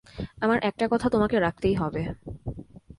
আমার একটা কথা তোমাকে রাখতেই হবে।